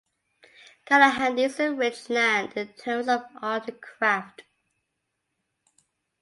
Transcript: Kalahandi is a rich land in terms of art and craft.